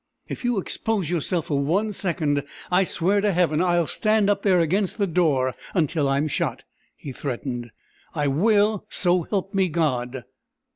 "If you expose yourself for one second I swear to Heaven I'll stand up there against the door until I'm shot!" he threatened. "I will, so help me God!"